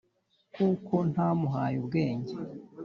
kuko ntamuhaye ubwenge